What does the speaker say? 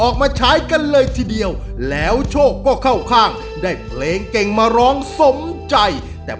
ของคุณภูมิภวงดวงจันทร์นะครับ